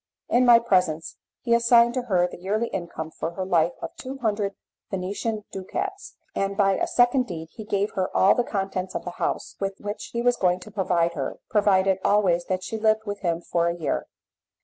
In my presence he assigned to her the yearly income for her life of two hundred Venetian ducats, and by a second deed he gave her all the contents of the house with which he was going to provide her, provided always that she lived with him for a year.